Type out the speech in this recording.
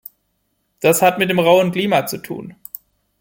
Das hat mit dem rauen Klima zu tun.